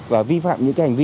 và vi phạm những hành vi